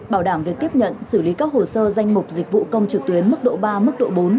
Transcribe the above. bảo đảm việc tiếp nhận xử lý các hồ sơ danh mục dịch vụ công trực tuyến mức độ ba mức độ bốn